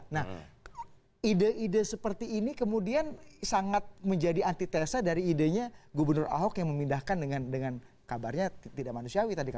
nah ide ide seperti ini kemudian sangat menjadi antitesa dari idenya gubernur ahok yang memindahkan dengan kabarnya tidak manusiawi tadi